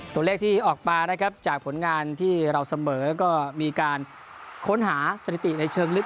ตัวเลขที่ออกมานะครับจากผลงานที่เราเสมอก็มีการค้นหาสถิติในเชิงลึก